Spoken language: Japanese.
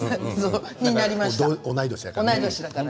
同い年だからね。